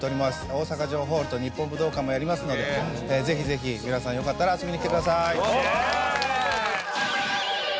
大阪城ホールと日本武道館もやりますのでぜひぜひ皆さんよかったら遊びに来てください